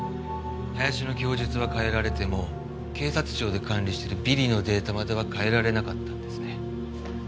林の供述は変えられても警察庁で管理してるＢＩＲＩのデータまでは変えられなかったんですね。